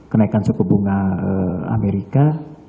kenaikan suku bunga amerika